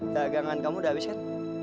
dagangan kamu udah habis kan